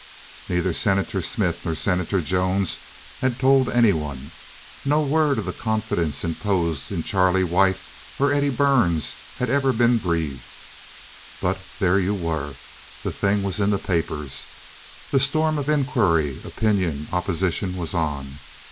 Neither Senator Smith nor Senator Jones had told any one. No word of the confidence imposed in Charlie White or Eddie Burns had ever been breathed. But there you were—the thing was in the papers, the storm of inquiry, opinion, opposition was on.